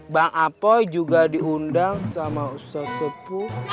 bang apoy juga diundang sama ustadz sepuh